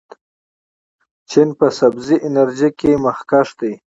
چین په سبزې انرژۍ کې مخکښ دی.